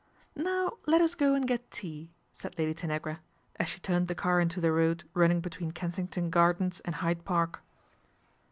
" Now let us go and get tea," said Lady Tanagra, is she turned the car into the road running between Kensington Gardens and Hyde Park.